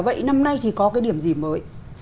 vậy năm nay thì có cái điểm gì mới